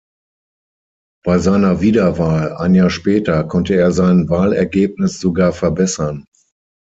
Bei seiner Wiederwahl, ein Jahr später, konnte er sein Wahlergebnis sogar verbessern.